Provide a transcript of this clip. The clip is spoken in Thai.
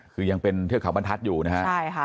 คือยังเป็นเทือกเขาบรรทัศน์อยู่นะฮะใช่ค่ะ